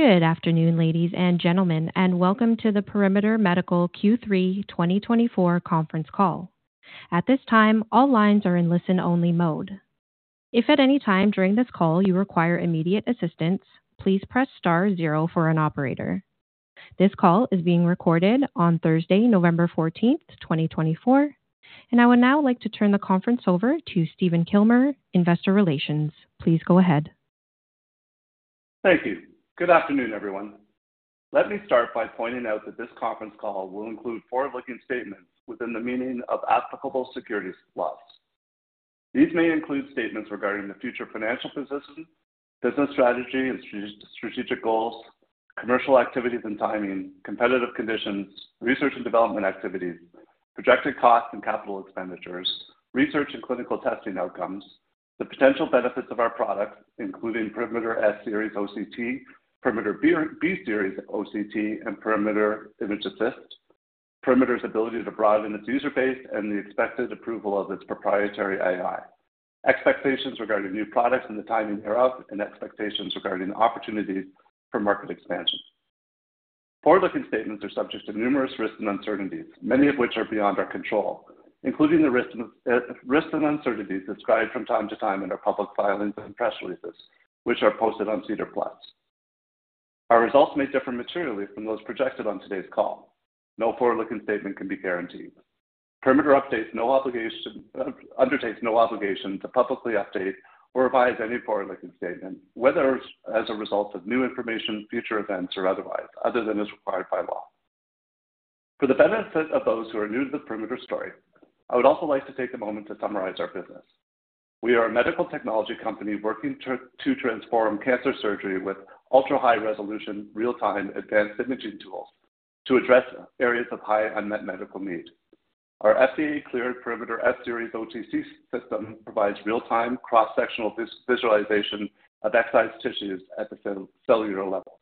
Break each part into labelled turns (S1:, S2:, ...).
S1: Good afternoon, ladies and gentlemen, and welcome to the Perimeter Medical Q3 2024 Conference Call. At this time, all lines are in listen-only mode. If at any time during this call you require immediate assistance, please press star zero for an operator. This call is being recorded on Thursday, November 14, 2024. And I would now like to turn the conference over to Stephen Kilmer, Investor Relations. Please go ahead.
S2: Thank you. Good afternoon, everyone. Let me start by pointing out that this conference call will include forward-looking statements within the meaning of applicable securities laws. These may include statements regarding the future financial position, business strategy and strategic goals, commercial activities and timing, competitive conditions, research and development activities, projected costs and capital expenditures, research and clinical testing outcomes, the potential benefits of our products, including Perimeter S-Series OCT, Perimeter B-Series OCT, and Perimeter Image Assist. Perimeter's ability to broaden its user base and the expected approval of its proprietary AI, expectations regarding new products and the timing thereof, and expectations regarding opportunities for market expansion. Forward-looking statements are subject to numerous risks and uncertainties, many of which are beyond our control, including the risks and uncertainties described from time to time in our public filings and press releases, which are posted on SEDAR+. Our results may differ materially from those projected on today's call. No forward-looking statement can be guaranteed. Perimeter undertakes no obligation to publicly update or revise any forward-looking statement, whether as a result of new information, future events, or otherwise, other than as required by law. For the benefit of those who are new to the Perimeter story, I would also like to take a moment to summarize our business. We are a medical technology company working to transform cancer surgery with ultra-high resolution, real-time advanced imaging tools to address areas of high unmet medical need. Our FDA-cleared Perimeter S-Series OCT system provides real-time cross-sectional visualization of excised tissues at the cellular level.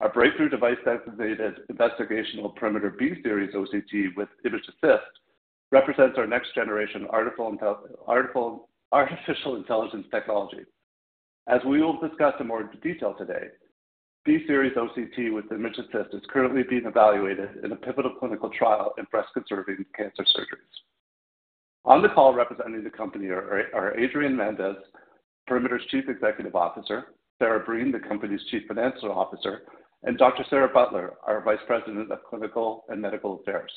S2: Our breakthrough device-designated investigational Perimeter B-Series OCT with Image Assist represents our next-generation artificial intelligence technology. As we will discuss in more detail today, B-Series OCT with Image Assist is currently being evaluated in a pivotal clinical trial in breast-conserving cancer surgeries. On the call representing the company are Adrian Mendes, Perimeter's Chief Executive Officer, Sara Brien, the company's Chief Financial Officer, and Dr. Sarah Butler, our Vice President of Clinical and Medical Affairs.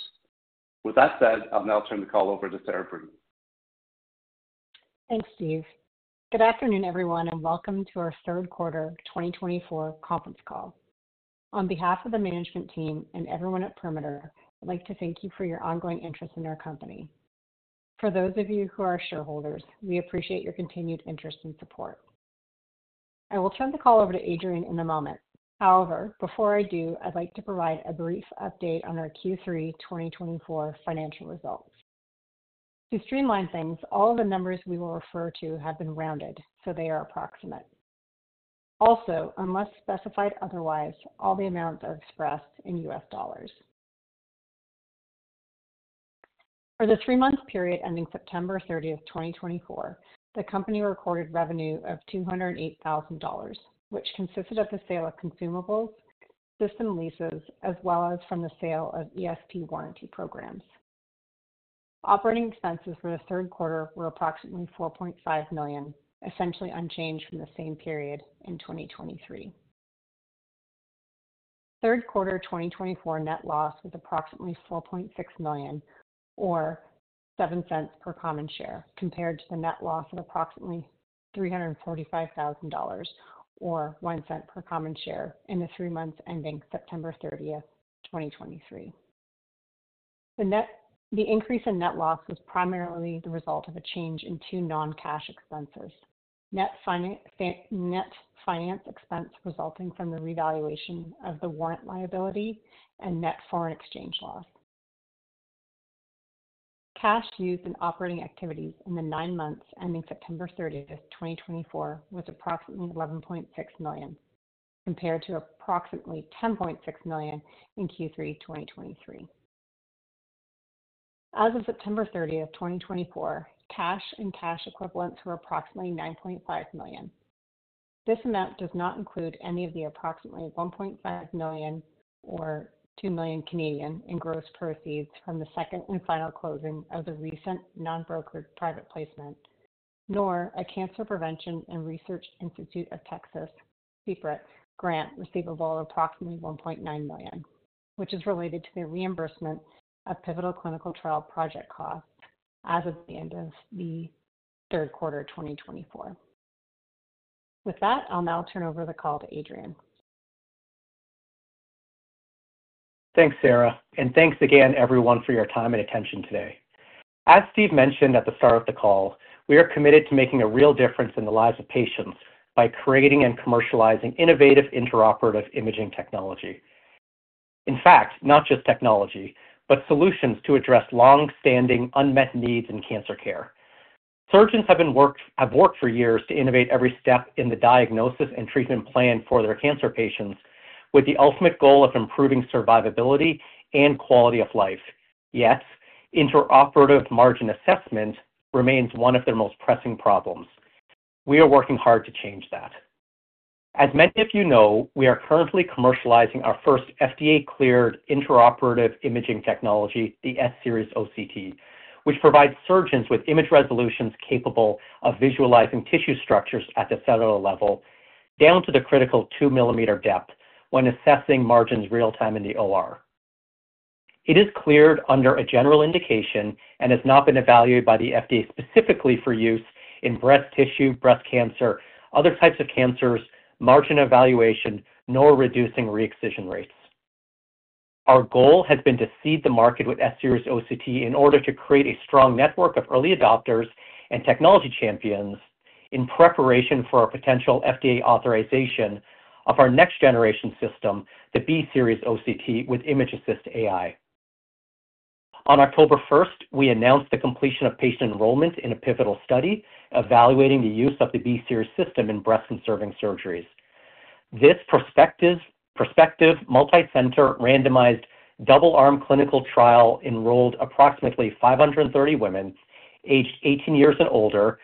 S2: With that said, I'll now turn the call over to Sara Brien.
S3: Thanks, Steve. Good afternoon, everyone, and welcome to our third quarter 2024 Conference Call. On behalf of the management team and everyone at Perimeter, I'd like to thank you for your ongoing interest in our company. For those of you who are shareholders, we appreciate your continued interest and support. I will turn the call over to Adrian in a moment. However, before I do, I'd like to provide a brief update on our Q3 2024 financial results. To streamline things, all of the numbers we will refer to have been rounded, so they are approximate. Also, unless specified otherwise, all the amounts are expressed in U.S. dollars. For the three months ending September 30, 2024. The company recorded revenue of $208,000, which consisted of the sale of consumables, system leases, as well as from the sale of ESP warranty programs. Operating expenses for the third quarter were approximately 4.5 million, essentially unchanged from the same period in 2023. Third quarter 2024 net loss was approximately 4.6 million, or 0.07 per common share, compared to the net loss of approximately 345,000 dollars, or 0.01 per common share in the three months ending September 30, 2023. The increase in net loss was primarily the result of a change in two non-cash expenses: net finance expense resulting from the revaluation of the warrant liability and net foreign exchange loss. Cash used in operating activities in the nine months ending September 30, 2024, was approximately 11.6 million, compared to approximately 10.6 million in Q3 2023. As of September 30, 2024, cash and cash equivalents were approximately 9.5 million. This amount does not include any of the approximately 1.5 million or 2 million in gross proceeds from the second and final closing of the recent non-brokered private placement, nor a Cancer Prevention and Research Institute of Texas (CPRIT) grant receivable of approximately $1.9 million, which is related to the reimbursement of pivotal clinical trial project costs as of the end of the third quarter 2024. With that, I'll now turn over the call to Adrian.
S4: Thanks, Sarah, and thanks again, everyone, for your time and attention today. As Steve mentioned at the start of the call, we are committed to making a real difference in the lives of patients by creating and commercializing innovative intraoperative imaging technology. In fact, not just technology, but solutions to address long-standing unmet needs in cancer care. Surgeons have worked for years to innovate every step in the diagnosis and treatment plan for their cancer patients, with the ultimate goal of improving survivability and quality of life. Yet, intraoperative margin assessment remains one of their most pressing problems. We are working hard to change that. As many of you know, we are currently commercializing our first FDA-cleared intraoperative imaging technology, the S-Series OCT, which provides surgeons with image resolutions capable of visualizing tissue structures at the cellular level down to the critical 2-millimeter depth when assessing margins real-time in the OR. It is cleared under a general indication and has not been evaluated by the FDA specifically for use in breast tissue, breast cancer, other types of cancers, margin evaluation, nor reducing re-excision rates. Our goal has been to seed the market with S-Series OCT in order to create a strong network of early adopters and technology champions in preparation for our potential FDA authorization of our next-generation system, the B-Series OCT with Image Assist AI. On October 1, we announced the completion of patient enrollment in a pivotal study evaluating the use of the B-Series system in breast-conserving surgeries. This prospective multi-center randomized double-arm clinical trial enrolled approximately 530 women aged 18 years and older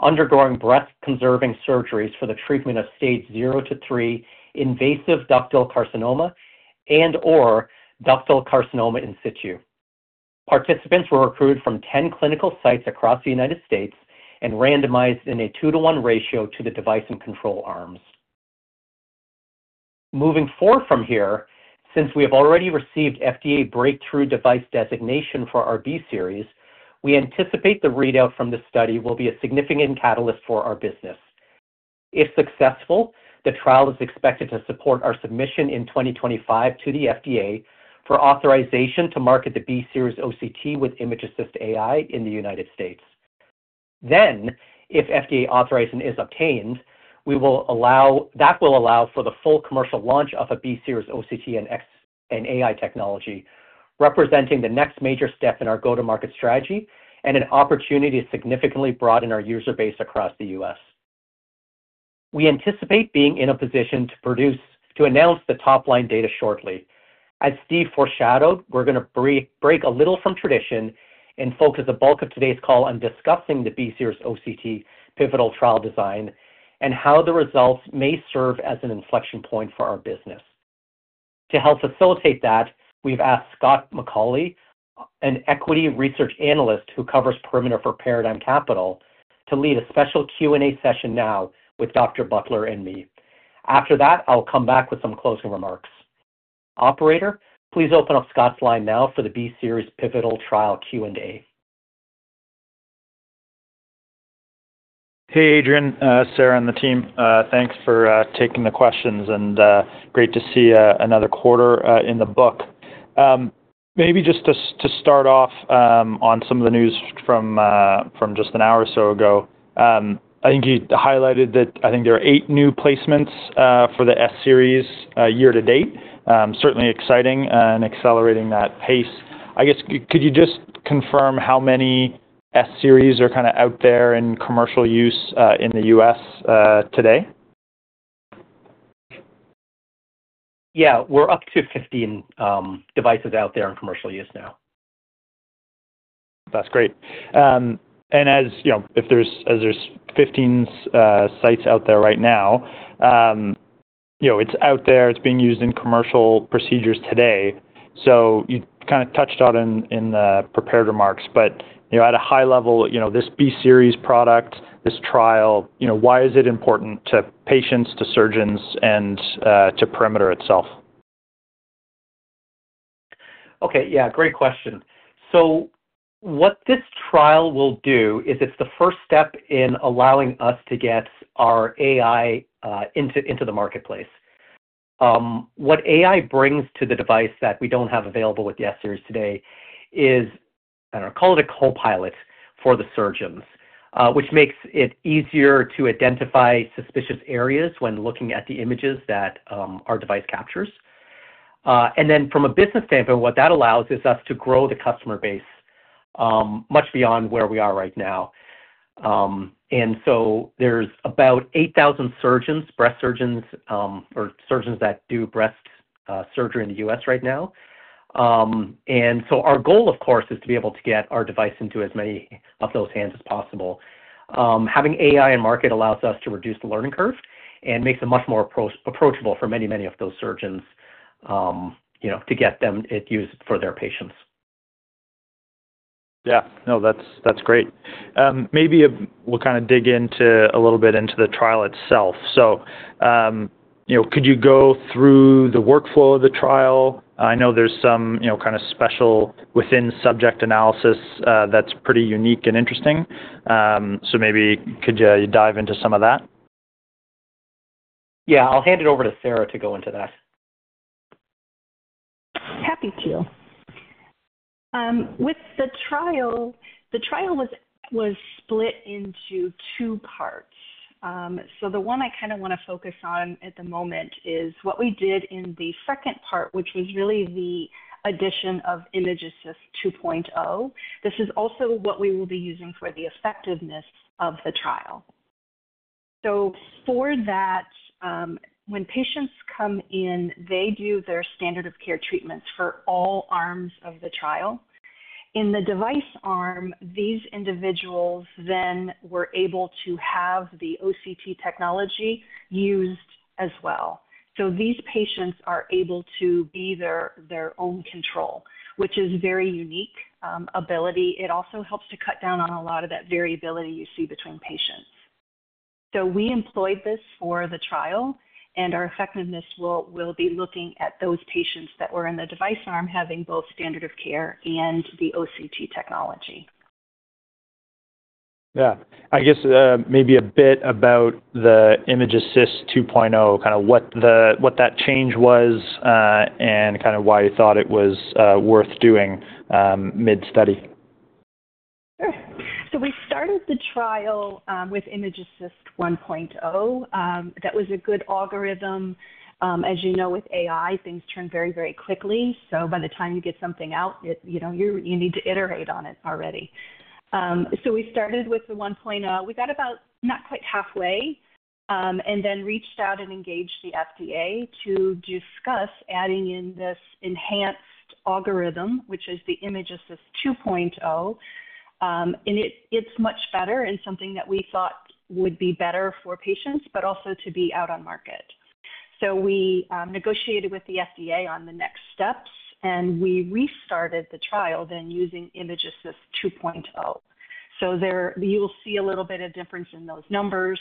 S4: undergoing breast-conserving surgeries for the treatment of stage 0 to 3 invasive ductal carcinoma and/or ductal carcinoma in situ. Participants were recruited from 10 clinical sites across the United States and randomized in a 2:1 ratio to the device and control arms. Moving forward from here, since we have already received FDA Breakthrough Device Designation for our B-Series, we anticipate the readout from this study will be a significant catalyst for our business. If successful, the trial is expected to support our submission in 2025 to the FDA for authorization to market the B-Series OCT with Image Assist AI in the United States. Then, if FDA authorization is obtained, that will allow for the full commercial launch of a B-Series OCT and AI technology, representing the next major step in our go-to-market strategy and an opportunity to significantly broaden our user base across the U.S. We anticipate being in a position to announce the top-line data shortly. As Steve foreshadowed, we're going to break a little from tradition and focus the bulk of today's call on discussing the B-Series OCT pivotal trial design and how the results may serve as an inflection point for our business. To help facilitate that, we've asked Scott McAuley, an equity research analyst who covers Perimeter for Paradigm Capital, to lead a special Q&A session now with Dr. Butler and me. After that, I'll come back with some closing remarks. Operator, please open up Scott's line now for the B-Series pivotal trial Q&A.
S5: Hey, Adrian, Sarah, and the team. Thanks for taking the questions, and great to see another quarter in the book. Maybe just to start off on some of the news from just an hour or so ago, I think you highlighted that I think there are eight new placements for the S-Series year to date. Certainly exciting and accelerating that pace. I guess, could you just confirm how many S-Series are kind of out there in commercial use in the U.S. today?
S4: Yeah, we're up to 15 devices out there in commercial use now.
S5: That's great, and as there's 15 sites out there right now, it's out there. It's being used in commercial procedures today, so you kind of touched on it in the prepared remarks, but at a high level, this B-Series product, this trial, why is it important to patients, to surgeons, and to Perimeter itself?
S4: Okay, yeah, great question. So what this trial will do is it's the first step in allowing us to get our AI into the marketplace. What AI brings to the device that we don't have available with the S-series today is, I don't know, call it a co-pilot for the surgeons, which makes it easier to identify suspicious areas when looking at the images that our device captures. And then from a business standpoint, what that allows is us to grow the customer base much beyond where we are right now. And so there's about 8,000 surgeons, breast surgeons, or surgeons that do breast surgery in the U.S. right now. And so our goal, of course, is to be able to get our device into as many of those hands as possible. Having AI in market allows us to reduce the learning curve and makes it much more approachable for many, many of those surgeons to get them used for their patients.
S5: Yeah, no, that's great. Maybe we'll kind of dig into a little bit into the trial itself. So could you go through the workflow of the trial? I know there's some kind of special within-subject analysis that's pretty unique and interesting. So maybe could you dive into some of that?
S4: Yeah, I'll hand it over to Sara to go into that.
S3: Happy to. With the trial, the trial was split into two parts. So the one I kind of want to focus on at the moment is what we did in the second part, which was really the addition of Image Assist 2.0. This is also what we will be using for the effectiveness of the trial. So for that, when patients come in, they do their standard of care treatments for all arms of the trial. In the device arm, these individuals then were able to have the OCT technology used as well. So these patients are able to be their own control, which is a very unique ability. It also helps to cut down on a lot of that variability you see between patients. So we employed this for the trial, and our effectiveness will be looking at those patients that were in the device arm having both standard of care and the OCT technology.
S5: Yeah, I guess maybe a bit about the Image Assist 2.0, kind of what that change was and kind of why you thought it was worth doing mid-study.
S3: Sure. So we started the trial with Image Assist 1.0. That was a good algorithm. As you know, with AI, things turn very, very quickly. So by the time you get something out, you need to iterate on it already. So we started with the 1.0. We got about not quite halfway and then reached out and engaged the FDA to discuss adding in this enhanced algorithm, which is the Image Assist 2.0. And it's much better and something that we thought would be better for patients, but also to be out on market. So we negotiated with the FDA on the next steps, and we restarted the trial then using Image Assist 2.0. So you'll see a little bit of difference in those numbers.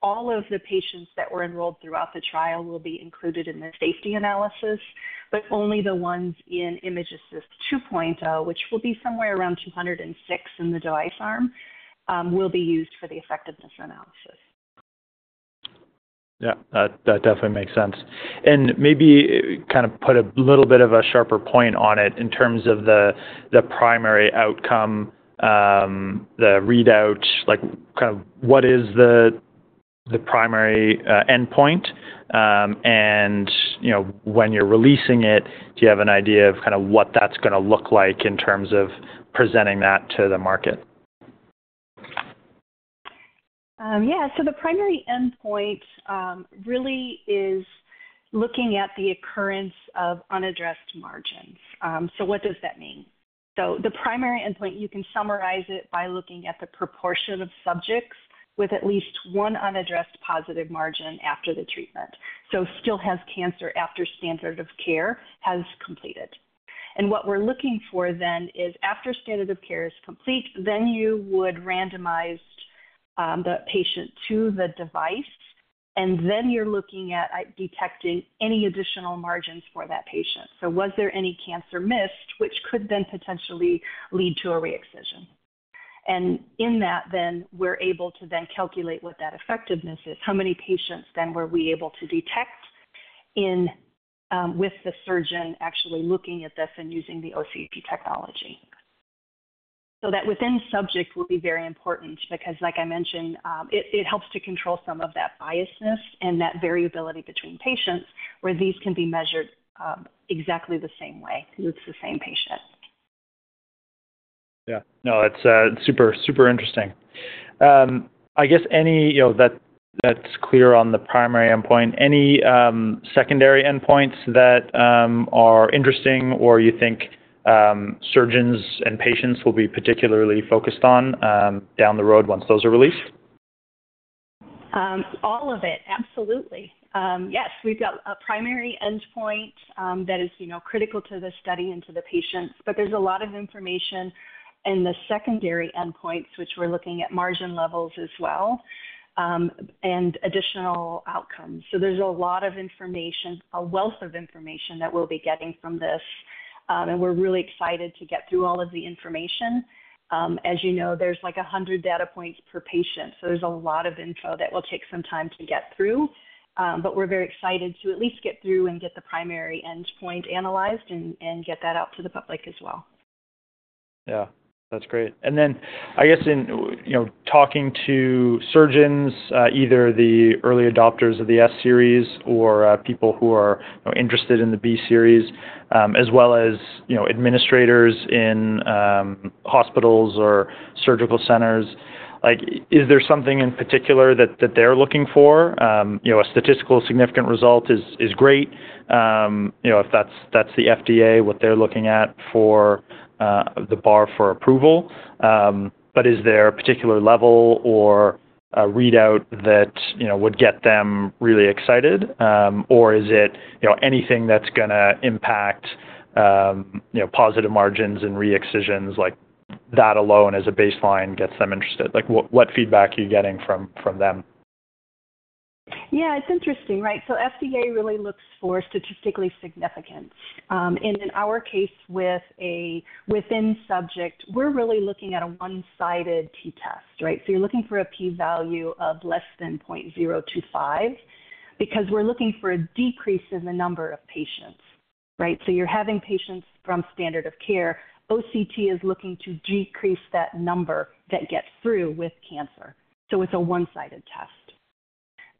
S3: All of the patients that were enrolled throughout the trial will be included in the safety analysis, but only the ones in Image Assist 2.0, which will be somewhere around 206 in the device arm, will be used for the effectiveness analysis.
S5: Yeah, that definitely makes sense. And maybe kind of put a little bit of a sharper point on it in terms of the primary outcome, the readout, kind of what is the primary endpoint? And when you're releasing it, do you have an idea of kind of what that's going to look like in terms of presenting that to the market?
S3: Yeah, so the primary endpoint really is looking at the occurrence of unaddressed margins. So what does that mean? So the primary endpoint, you can summarize it by looking at the proportion of subjects with at least one unaddressed positive margin after the treatment. So still has cancer after standard of care has completed. And what we're looking for then is after standard of care is complete, then you would randomize the patient to the device, and then you're looking at detecting any additional margins for that patient. So was there any cancer missed, which could then potentially lead to a re-excision? And in that, then we're able to then calculate what that effectiveness is. How many patients then were we able to detect with the surgeon actually looking at this and using the OCT technology? That within-subject will be very important because, like I mentioned, it helps to control some of that bias and that variability between patients where these can be measured exactly the same way with the same patient.
S5: Yeah, no, that's super interesting. I guess that's clear on the primary endpoint. Any secondary endpoints that are interesting or you think surgeons and patients will be particularly focused on down the road once those are released?
S3: All of it, absolutely. Yes, we've got a primary endpoint that is critical to the study and to the patients, but there's a lot of information in the secondary endpoints, which we're looking at margin levels as well and additional outcomes. So there's a lot of information, a wealth of information that we'll be getting from this. And we're really excited to get through all of the information. As you know, there's like 100 data points per patient. So there's a lot of info that will take some time to get through. But we're very excited to at least get through and get the primary endpoint analyzed and get that out to the public as well.
S5: Yeah, that's great, and then I guess in talking to surgeons, either the early adopters of the S-Series or people who are interested in the B-Series, as well as administrators in hospitals or surgical centers, is there something in particular that they're looking for? A statistical significant result is great if that's the FDA, what they're looking at for the bar for approval, but is there a particular level or readout that would get them really excited? Or is it anything that's going to impact positive margins and re-excisions? That alone as a baseline gets them interested. What feedback are you getting from them?
S3: Yeah, it's interesting, right? So FDA really looks for statistically significant. And in our case with a within subject, we're really looking at a one-sided T-test, right? So you're looking for a p-value of less than 0.025 because we're looking for a decrease in the number of patients, right? So you're having patients from standard of care, OCT is looking to decrease that number that gets through with cancer. So it's a one-sided test.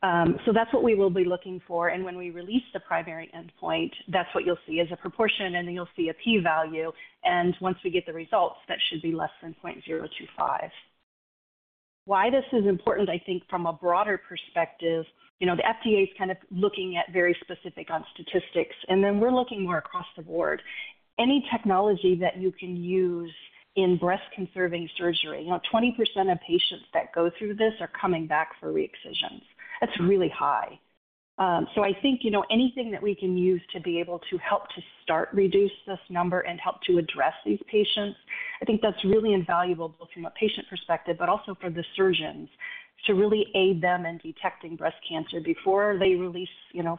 S3: So that's what we will be looking for. And when we release the primary endpoint, that's what you'll see is a proportion, and then you'll see a p-value. And once we get the results, that should be less than 0.025. Why this is important, I think from a broader perspective, the FDA is kind of looking at very specific statistics, and then we're looking more across the board. Any technology that you can use in breast-conserving surgery, 20% of patients that go through this are coming back for re-excisions. That's really high. So I think anything that we can use to be able to help to start reduce this number and help to address these patients. I think that's really invaluable from a patient perspective, but also for the surgeons to really aid them in detecting breast cancer before they release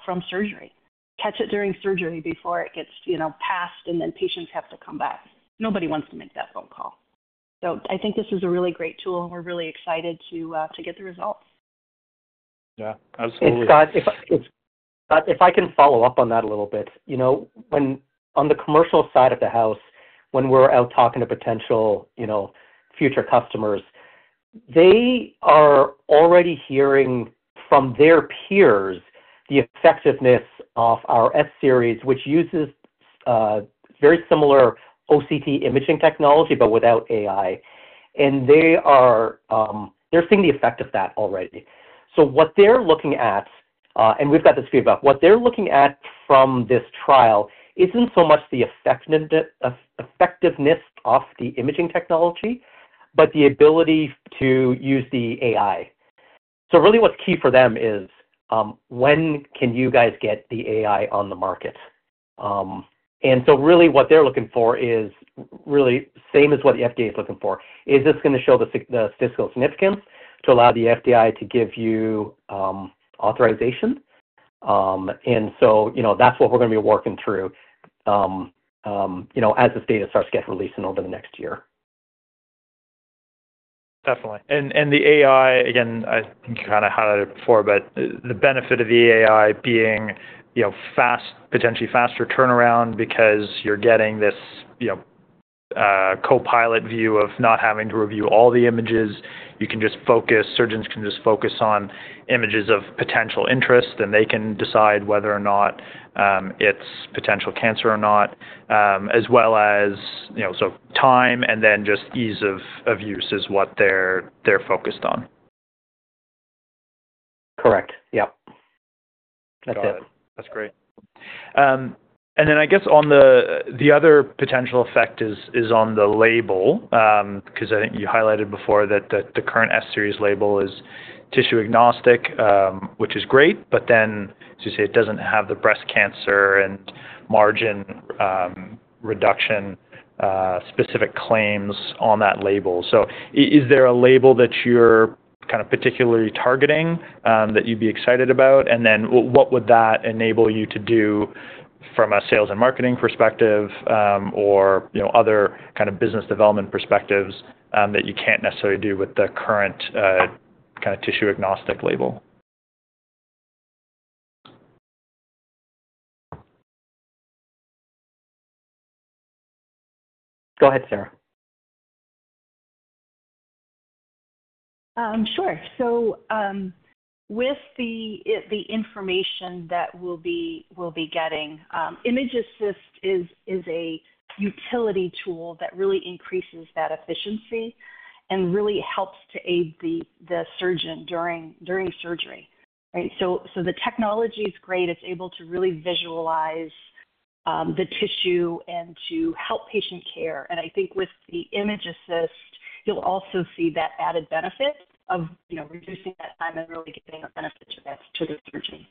S3: from surgery. Catch it during surgery before it gets passed, and then patients have to come back. Nobody wants to make that phone call. So I think this is a really great tool, and we're really excited to get the results.
S5: Yeah, absolutely.
S4: Scott, if I can follow up on that a little bit. On the commercial side of the house, when we're out talking to potential future customers, they are already hearing from their peers the effectiveness of our S-Series, which uses very similar OCT imaging technology, but without AI. And they're seeing the effect of that already. So what they're looking at, and we've got this feedback, what they're looking at from this trial isn't so much the effectiveness of the imaging technology, but the ability to use the AI. So really what's key for them is, when can you guys get the AI on the market? And so really what they're looking for is really same as what the FDA is looking for. Is this going to show the statistical significance to allow the FDA to give you authorization? And so that's what we're going to be working through as this data starts to get released over the next year.
S5: Definitely, and the AI, again, I think you kind of highlighted it before, but the benefit of the AI being potentially faster turnaround because you're getting this co-pilot view of not having to review all the images. You can just focus. Surgeons can just focus on images of potential interest, and they can decide whether or not it's potential cancer or not, as well as so time and then just ease of use is what they're focused on.
S4: Correct. Yep.
S5: Got it. That's great. And then I guess on the other potential effect is on the label because I think you highlighted before that the current S-Series label is tissue agnostic, which is great, but then as you say, it doesn't have the breast cancer and margin reduction specific claims on that label. So is there a label that you're kind of particularly targeting that you'd be excited about? And then what would that enable you to do from a sales and marketing perspective or other kind of business development perspectives that you can't necessarily do with the current kind of tissue-agnostic label?
S4: Go ahead, Sarah.
S3: Sure, so with the information that we'll be getting, Image Assist is a utility tool that really increases that efficiency and really helps to aid the surgeon during surgery, right, so the technology is great. It's able to really visualize the tissue and to help patient care, and I think with the Image Assist, you'll also see that added benefit of reducing that time and really getting the benefits to the surgeon.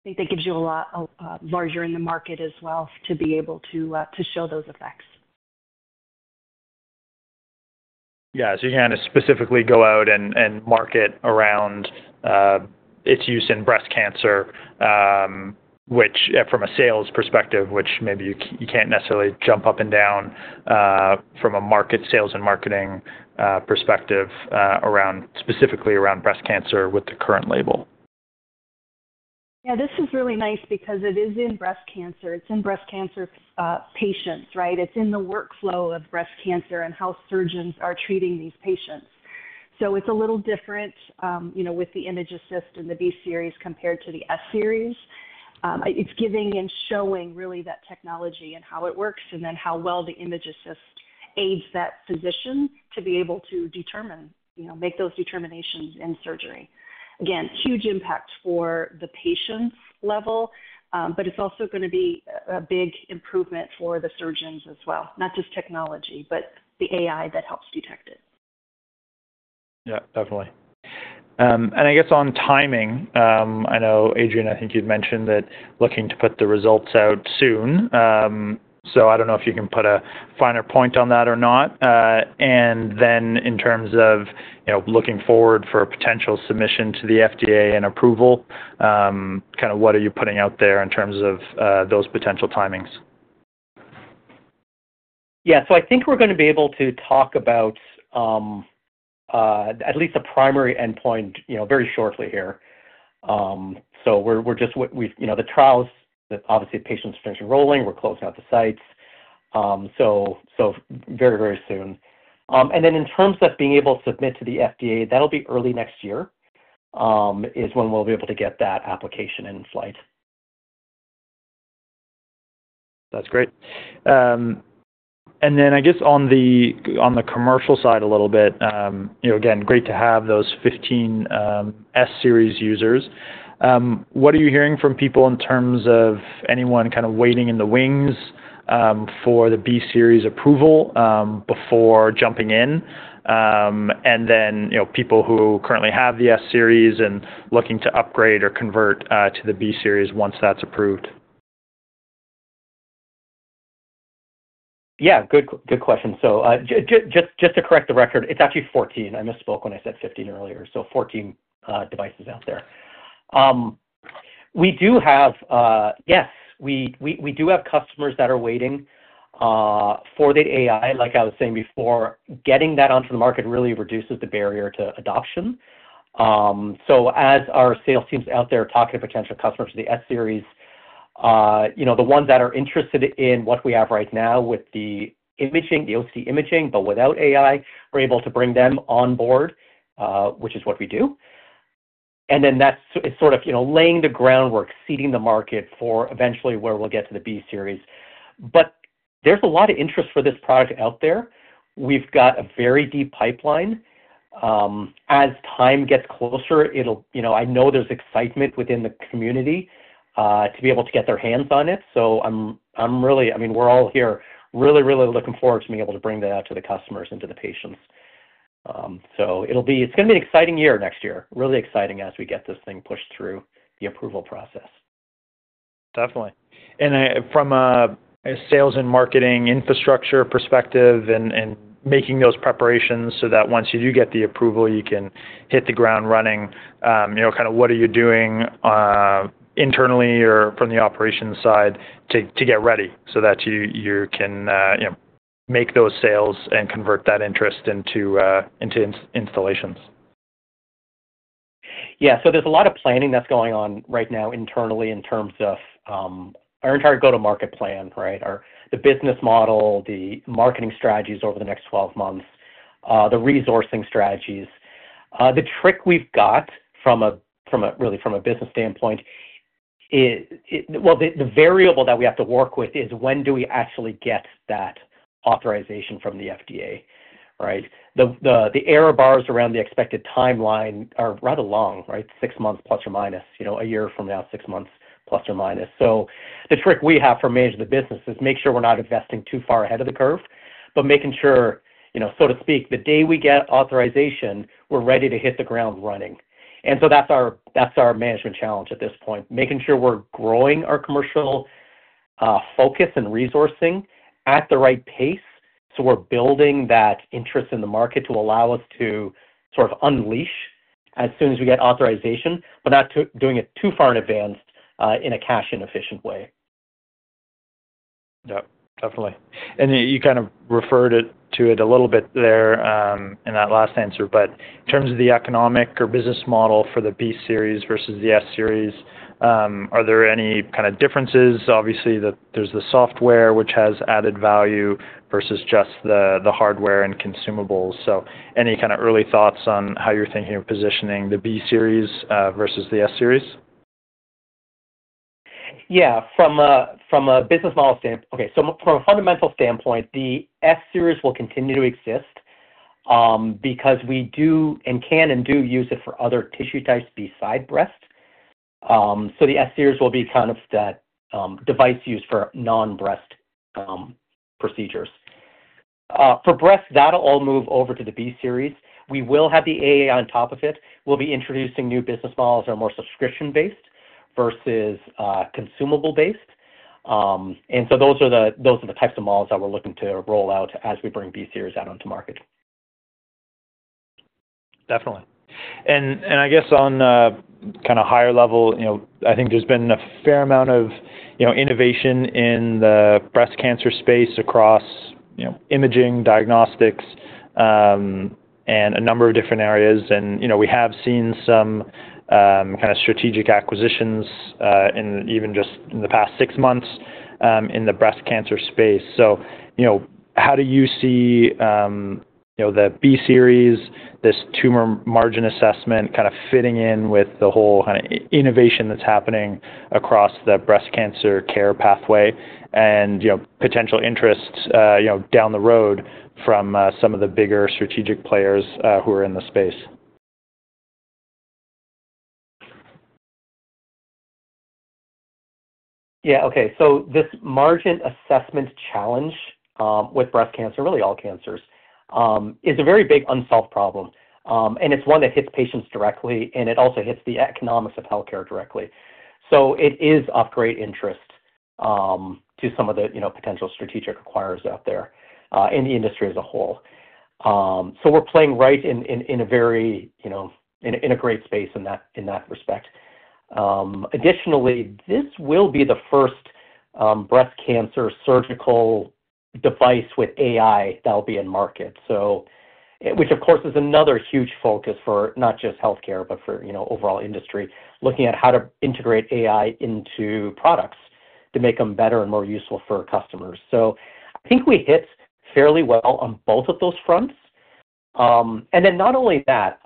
S3: I think that gives you a lot larger in the market as well to be able to show those effects.
S5: Yeah, so you kind of specifically go out and market around its use in breast cancer, which from a sales perspective, which maybe you can't necessarily jump up and down from a market sales and marketing perspective specifically around breast cancer with the current label.
S3: Yeah, this is really nice because it is in breast cancer. It's in breast cancer patients, right? It's in the workflow of breast cancer and how surgeons are treating these patients. So it's a little different with the Image Assist and the B-Series compared to the S-Series. It's giving and showing really that technology and how it works and then how well the Image Assist aids that physician to be able to determine, make those determinations in surgery. Again, huge impact for the patient's level, but it's also going to be a big improvement for the surgeons as well. Not just technology, but the AI that helps detect it.
S5: Yeah, definitely. And I guess on timing, I know, Adrian, I think you'd mentioned that looking to put the results out soon. So I don't know if you can put a finer point on that or not. And then in terms of looking forward for potential submission to the FDA and approval, kind of what are you putting out there in terms of those potential timings?
S4: Yeah, so I think we're going to be able to talk about at least a primary endpoint very shortly here. So we're just with the trials. Obviously, patients finish enrolling. We're closing out the sites. So very, very soon, and then in terms of being able to submit to the FDA, that'll be early next year is when we'll be able to get that application in flight.
S5: That's great. And then I guess on the commercial side a little bit, again, great to have those 15 S-Series users. What are you hearing from people in terms of anyone kind of waiting in the wings for the B-Series approval before jumping in? And then people who currently have the S-Series and looking to upgrade or convert to the B-Series once that's approved?
S4: Yeah, good question. So just to correct the record, it's actually 14. I misspoke when I said 15 earlier. So 14 devices out there. We do have, yes, we do have customers that are waiting for the AI. Like I was saying before, getting that onto the market really reduces the barrier to adoption. So as our sales teams out there talking to potential customers of the S series, the ones that are interested in what we have right now with the OCT imaging, but without AI, we're able to bring them on board, which is what we do. And then that's sort of laying the groundwork, seeding the market for eventually where we'll get to the B series. But there's a lot of interest for this product out there. We've got a very deep pipeline. As time gets closer, I know there's excitement within the community to be able to get their hands on it. So I mean, we're all here really, really looking forward to being able to bring that out to the customers and to the patients. So it's going to be an exciting year next year. Really exciting as we get this thing pushed through the approval process.
S5: Definitely, and from a sales and marketing infrastructure perspective and making those preparations so that once you do get the approval, you can hit the ground running. Kind of, what are you doing internally or from the operations side to get ready so that you can make those sales and convert that interest into installations.
S4: Yeah, so there's a lot of planning that's going on right now internally in terms of our entire go-to-market plan, right? The business model, the marketing strategies over the next 12 months, the resourcing strategies. The trick we've got from a business standpoint, well, the variable that we have to work with is when do we actually get that authorization from the FDA, right? The error bars around the expected timeline are rather long, right? Six months plus or minus, a year from now, six months plus or minus. So the trick we have for managing the business is make sure we're not investing too far ahead of the curve, but making sure, so to speak, the day we get authorization, we're ready to hit the ground running. And so that's our management challenge at this point. Making sure we're growing our commercial focus and resourcing at the right pace so we're building that interest in the market to allow us to sort of unleash as soon as we get authorization, but not doing it too far in advance in a cash-inefficient way.
S5: Yeah, definitely, and you kind of referred to it a little bit there in that last answer, but in terms of the economic or business model for the B-Series versus the S-Series, are there any kind of differences? Obviously, there's the software, which has added value versus just the hardware and consumables. So any kind of early thoughts on how you're thinking of positioning the B-Series versus the S-Series?
S4: Yeah, from a business model standpoint, okay. So from a fundamental standpoint, the S-Series will continue to exist because we do and can and do use it for other tissue types besides breast. So the S-Series will be kind of that device used for non-breast procedures. For breast, that'll all move over to the B-Series. We will have the AI on top of it. We'll be introducing new business models that are more subscription-based versus consumable-based. And so those are the types of models that we're looking to roll out as we bring B-Series out onto market.
S5: Definitely. And I guess on kind of higher level, I think there's been a fair amount of innovation in the breast cancer space across imaging, diagnostics, and a number of different areas. And we have seen some kind of strategic acquisitions even just in the past six months in the breast cancer space. So how do you see the B-Series, this tumor margin assessment kind of fitting in with the whole kind of innovation that's happening across the breast cancer care pathway and potential interests down the road from some of the bigger strategic players who are in the space?
S4: Yeah, okay. So this margin assessment challenge with breast cancer, really all cancers, is a very big unsolved problem. And it's one that hits patients directly, and it also hits the economics of healthcare directly. So it is of great interest to some of the potential strategic acquirers out there in the industry as a whole. So we're playing right in a very great space in that respect. Additionally, this will be the first breast cancer surgical device with AI that'll be in market, which of course is another huge focus for not just healthcare, but for overall industry, looking at how to integrate AI into products to make them better and more useful for customers. So I think we hit fairly well on both of those fronts. And then not only that,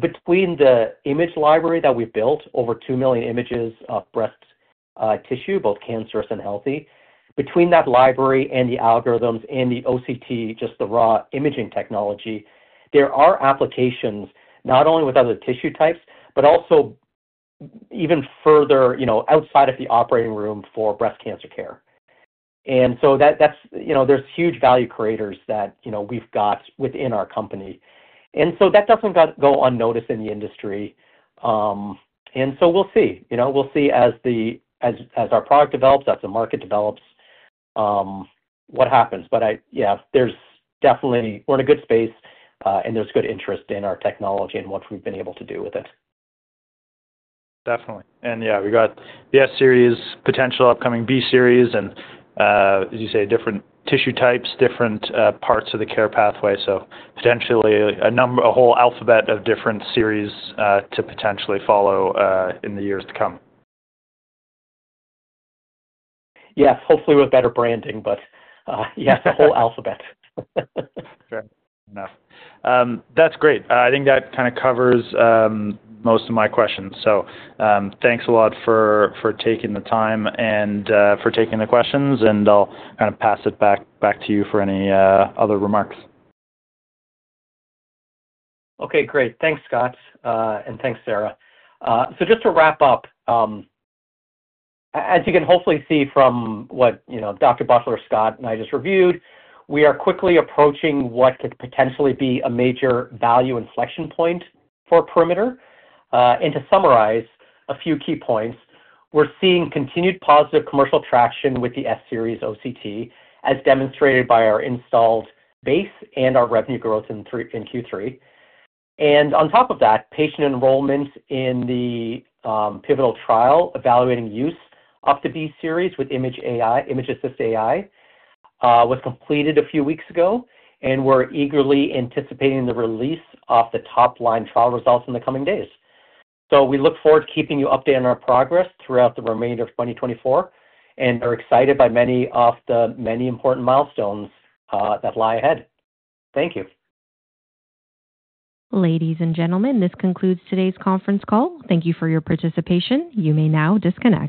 S4: between the image library that we've built, over two million images of breast tissue, both cancerous and healthy, between that library and the algorithms and the OCT, just the raw imaging technology, there are applications not only with other tissue types, but also even further outside of the operating room for breast cancer care. And so there's huge value creators that we've got within our company. And so that doesn't go unnoticed in the industry. And so we'll see. We'll see as our product develops, as the market develops, what happens. But yeah, we're in a good space, and there's good interest in our technology and what we've been able to do with it.
S5: Definitely. And yeah, we've got the S-Series, potential upcoming B-Series, and as you say, different tissue types, different parts of the care pathway. So potentially a whole alphabet of different series to potentially follow in the years to come.
S4: Yes, hopefully with better branding, but yeah, the whole alphabet.
S5: That's great. I think that kind of covers most of my questions. So thanks a lot for taking the time and for taking the questions, and I'll kind of pass it back to you for any other remarks.
S4: Okay, great. Thanks, Scott, and thanks, Sarah. So just to wrap up, as you can hopefully see from what Dr. Butler, Scott, and I just reviewed, we are quickly approaching what could potentially be a major value inflection point for Perimeter. And to summarize a few key points, we're seeing continued positive commercial traction with the S-Series OCT, as demonstrated by our installed base and our revenue growth in Q3. And on top of that, patient enrollment in the pivotal trial evaluating use of the B-Series with Image Assist AI was completed a few weeks ago, and we're eagerly anticipating the release of the top-line trial results in the coming days. So we look forward to keeping you updated on our progress throughout the remainder of 2024 and are excited by many of the important milestones that lie ahead. Thank you.
S1: Ladies and gentlemen, this concludes today's conference call. Thank you for your participation. You may now disconnect.